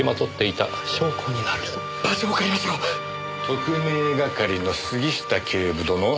特命係の杉下警部殿。